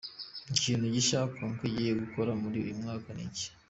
Ikintu gishya Konka igiye gukora muri uyu mwaka ni iki ?